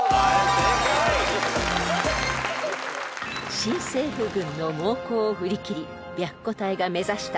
［新政府軍の猛攻を振り切り白虎隊が目指した］